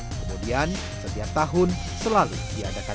kemudian setiap tahun selalu diadakan